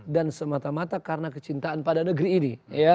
dan semata mata karena kecintaan pada negeri ini